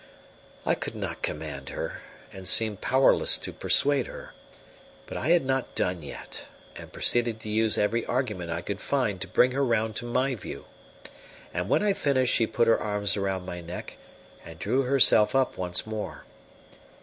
I could not command her, and seemed powerless to persuade her; but I had not done yet, and proceeded to use every argument I could find to bring her round to my view; and when I finished she put her arms around my neck and drew herself up once more.